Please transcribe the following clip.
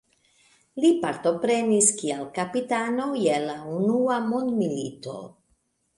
Li partoprenis kiel kapitano je la unua mondmilito.